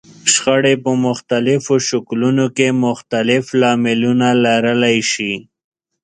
شخړې په مختلفو شکلونو کې مختلف لاملونه لرلای شي.